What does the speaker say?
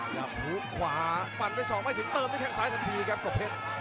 อย่าพลุกขวาปั่นไปชอบไม่ถึงเติมที่แข่งซ้ายทันทีครับกบเพชร